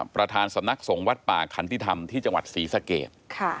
ประธานสำนักสงฆ์วัดป่าคันติธรรมที่จังหวัดศรีสะเกด